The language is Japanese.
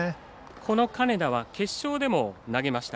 金田は決勝でも投げました。